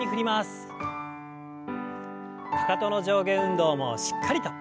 かかとの上下運動もしっかりと。